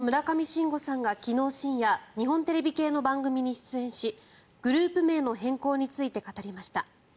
関ジャニ∞の村上信五さんが昨日深夜日本テレビ系の番組に出演しグループ名の変更について語りました。